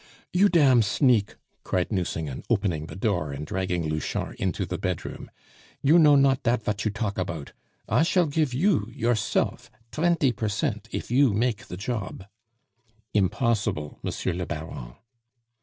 "You dam' sneak!" cried Nucingen, opening the door, and dragging Louchard into the bedroom; "you know not dat vat you talk about. I shall gife you, you'self, tventy per cent if you make the job." "Impossible, M. le Baron."